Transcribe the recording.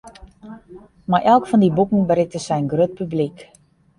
Mei elk fan dy boeken berikte sy in grut publyk.